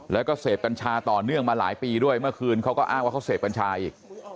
แล้วก็เสพกัญชาต่อเนื่องมาหลายปีด้วยเมื่อคืนเขาก็อ้างว่าเขาเสพกัญชาอีก